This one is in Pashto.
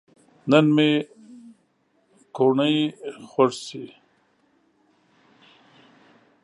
نن مې کوڼۍ خوږ شي